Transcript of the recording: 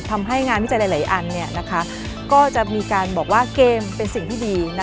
ทำให้งานวิจัยหลายอันก็จะมีการบอกว่าเกมเป็นสิ่งที่ดี